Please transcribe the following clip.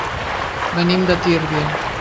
Venim de Tírvia.